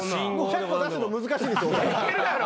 １００個出すの難しいんですよ。